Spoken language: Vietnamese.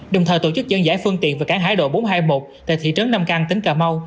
đồng thời tổ chức dân giải phương tiện về cảng hải đội bốn trăm hai mươi một tại thị trấn nam căng tỉnh cà mau